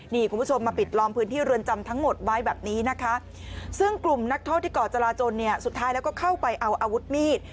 นี่คุณผู้ชมมาปิดล้อมพื้นที่เรือนจำทั้งหมดไว้แบบนี้นะคะซึ่งกลุ่มนักโทษที่ก่อจราจนเนี่ยสุดท้ายแล้วก็เข้าไปเอาอาวุธมีด